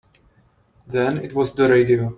Then it was the radio.